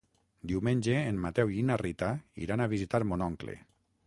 Diumenge en Mateu i na Rita iran a visitar mon oncle.